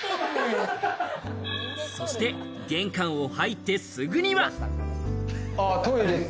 そして、玄関を入ってすぐには。